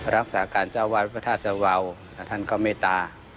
รักษาการเจ้าวาดพระธาตวาวและท่านก็เมตตา